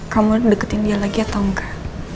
kamu deketin dia lagi atau enggak